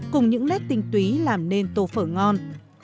cùng những nét tinh túy làm nên tô phở ngon